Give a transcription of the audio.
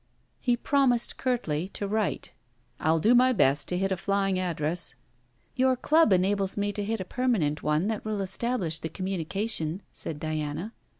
He promised curtly to write. 'I will do my best to hit a flying address.' 'Your Club enables me to hit a permanent one that will establish the communication,' said Diana.